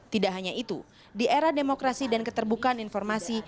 tidak hanya itu di era demokrasi dan keterbukaan informasi